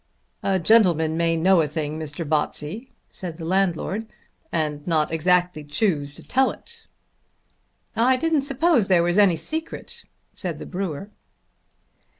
"A gentleman may know a thing, Mr. Botsey," said the landlord, "and not exactly choose to tell it." "I didn't suppose there was any secret," said the brewer.